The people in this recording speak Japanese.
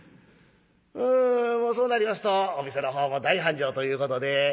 そうなりますとお店のほうも大繁盛ということで。